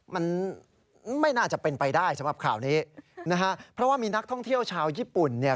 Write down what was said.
มันไม่น่าจะเป็นไปได้สำหรับข่าวนี้นะฮะเพราะว่ามีนักท่องเที่ยวชาวญี่ปุ่นเนี่ย